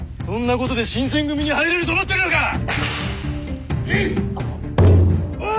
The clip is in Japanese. そんなことで新選組に入れると思ってるのか！